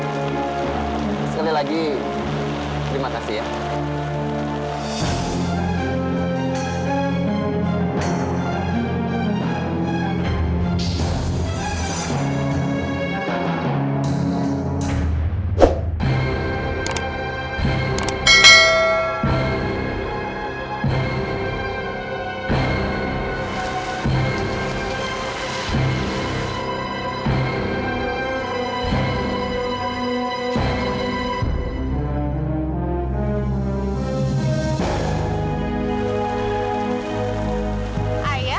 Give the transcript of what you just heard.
sekali lagi terima kasih ya